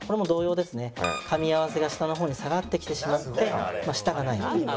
噛み合わせが下の方に下がってきてしまって下がない。